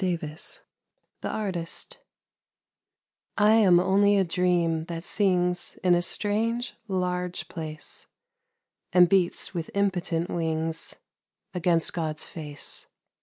97 THE ARTIST I AM only a dream that sings In a strange, large place, And beats with impotent wings Against God's face.